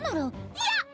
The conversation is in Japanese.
いや！